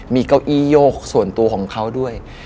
มีเก้าอี้ยกส่วนตัวของเขาด้วย